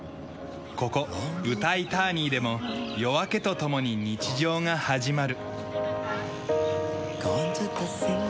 ここウタイターニーでも夜明けと共に日常が始まる。